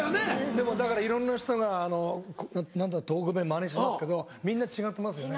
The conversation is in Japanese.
でもだからいろんな人が東北弁マネしますけどみんな違ってますよね